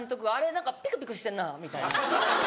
何かピクピクしてんな」みたいな。